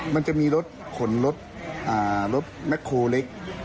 มันจะมีรถขนรถรถแม็กโคเล็ก